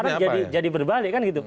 kalau sekarang jadi berbalik kan gitu